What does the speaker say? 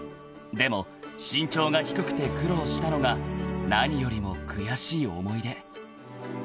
［でも身長が低くて苦労したのが何よりも悔しい思い出］